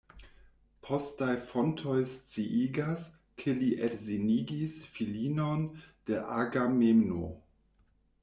Postaj fontoj sciigas, ke li edzinigis filinon de Agamemno.